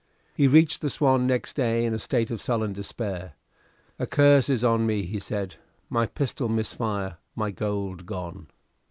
He reached the "Swan" next day in a state of sullen despair. "A curse is on me," he said. "My pistol miss fire: my gold gone."